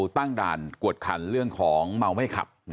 ตั้งด่านกวดขันเรื่องของเมาไม่ขับ